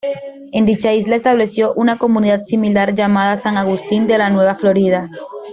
En dicha isla estableció una comunidad similar llamada San Agustín de la Nueva Florida.